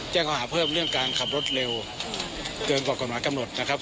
ข้อหาเพิ่มเรื่องการขับรถเร็วเกินกว่ากฎหมายกำหนดนะครับ